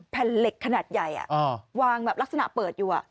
แผ่นเหล็กขนาดใหญ่วางแบบลักษณะเปิดอยู่